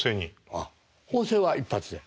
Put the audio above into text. あっ法政は一発で？